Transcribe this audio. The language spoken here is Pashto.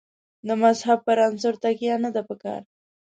د مذهب پر عنصر تکیه نه ده په کار.